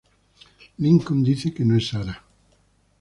Lincoln dice que no es Sara.